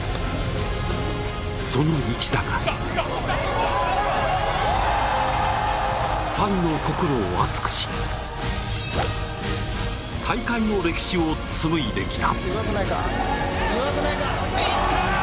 その一打が、ファンの心を熱くし大会の歴史を紡いできた。